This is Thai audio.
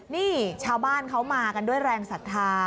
นี่ชาวบ้านเขามากันด้วยแรงศรัทธา